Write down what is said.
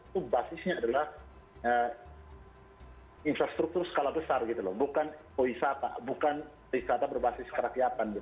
itu basisnya adalah infrastruktur skala besar gitu loh bukan wisata bukan wisata berbasis kerakyatan